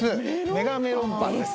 メガメロンパンです